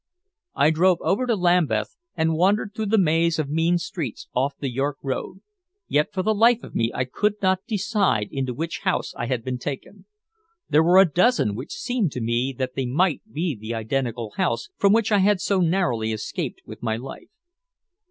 I drove over to Lambeth and wandered through the maze of mean streets off the York Road, yet for the life of me I could not decide into which house I had been taken. There were a dozen which seemed to me that they might be the identical house from which I had so narrowly escaped with my life.